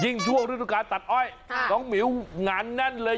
ยิ่งทั่วรถคันตัดอ้อยน้องหมิวงานแน่นเลย